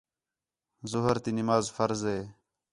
ظُہر تی نماز فرض ہِے